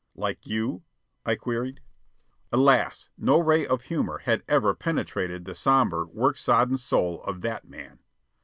"Like you?" I queried. Alas, no ray of humor had ever penetrated the sombre work sodden soul of that man.